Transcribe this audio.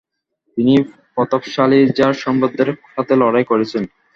তিনি প্রতাপশালী জার সম্রাটদের সাথে লড়াই করেছেন।